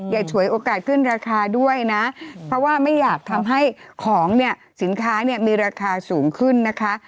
ฉวยโอกาสขึ้นราคาด้วยนะเพราะว่าไม่อยากทำให้ของเนี่ยสินค้าเนี่ยมีราคาสูงขึ้นนะคะ